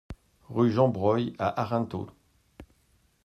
Rue Jean Breuil à Arinthod